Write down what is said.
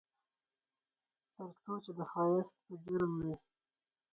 ترڅو چې د ښایست په جرم مې